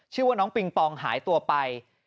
ชื่อว่าน้องปิงปองหายตัวไป